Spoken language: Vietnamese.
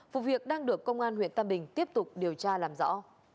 vụ việc đang được công an huyện tam bình tiếp tục điều tra làm rõ